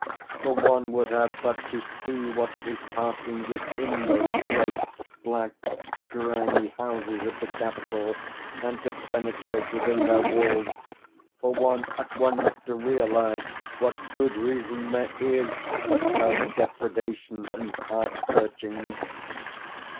For one would have but to see what is passing within those great, black, grimy houses of the capital, and to penetrate within their walls, for one at once to realise what good reason there is for self depredation and heart searching.